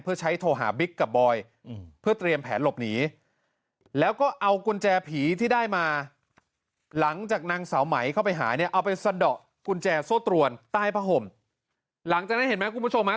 กุญแจโซ่ตรวนใต้ผ่าห่มหลังจากนั้นเห็นไหมคุณผู้ชมฮะ